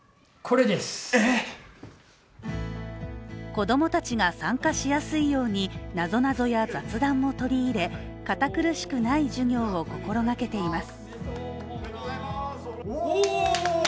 子供たちが参加しやすいようになぞなぞや雑談も取り入れ堅苦しくない授業を心がけています。